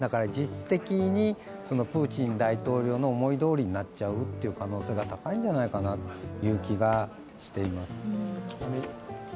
実質的にプーチン大統領の思いどおりになっちゃう可能性が高いんじゃないかという気がしています。